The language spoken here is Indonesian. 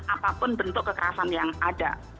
apapun bentuk kekerasan yang ada